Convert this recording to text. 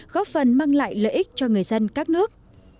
góp phần mang lại lợi ích cho người dân các nước